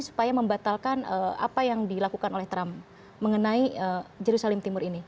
supaya membatalkan apa yang dilakukan oleh trump mengenai jerusalem timur ini